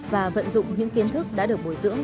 và vận dụng những kiến thức đã được bồi dưỡng